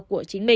của chúng ta